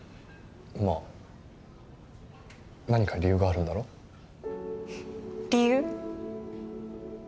まあ何か理由があるんだろ？理由？